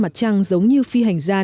mặt trăng giống như phi hành gia